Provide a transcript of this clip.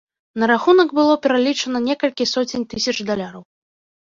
На рахунак было пералічана некалькі соцень тысяч даляраў.